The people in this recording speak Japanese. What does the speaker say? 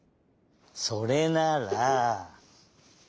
それなら。